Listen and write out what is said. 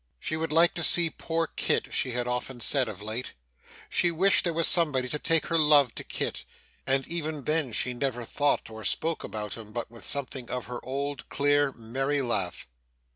She would like to see poor Kit, she had often said of late. She wished there was somebody to take her love to Kit. And, even then, she never thought or spoke about him, but with something of her old, clear, merry laugh.